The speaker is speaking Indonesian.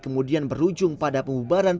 kemudian berujung pada pengubaran